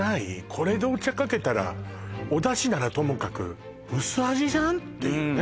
これでお茶かけたらおだしならともかく薄味じゃんっていうね